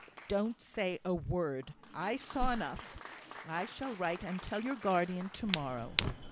Don't say a word. I saw enough. I shall write and tell your guardian to morrow."